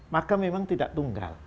maka memang tidak tunggal